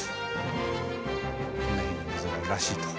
この辺に水があるらしいと。